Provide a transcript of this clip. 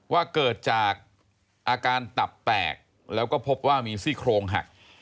ว่าเกิดจากอาการตับแตกแล้วก็พบว่ามีซี่โครงหัก